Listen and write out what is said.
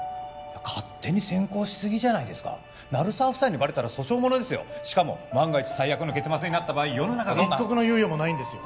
勝手に先行しすぎじゃないですか鳴沢夫妻にバレたら訴訟ものですよしかも万が一最悪の結末になった場合世の中が一刻の猶予もないんですよ